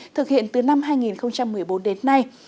thực hiện từ năm hai nghìn một mươi bốn đến nay